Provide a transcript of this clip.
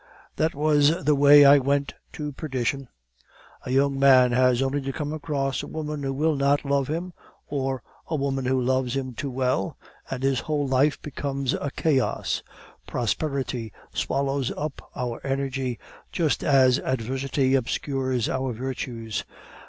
"That was the way I went to perdition. A young man has only to come across a woman who will not love him, or a woman who loves him too well, and his whole life becomes a chaos. Prosperity swallows up our energy just as adversity obscures our virtues.